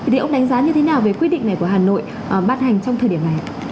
thì ông đánh giá như thế nào về quyết định này của hà nội bát hành trong thời điểm này ạ